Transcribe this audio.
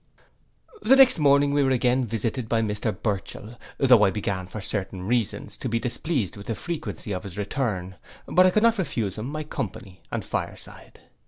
The next morning we were again visited by Mr Burchell, though I began, for certain reasons, to be displeased with the frequency of his return; but I could not refuse him my company and fire side.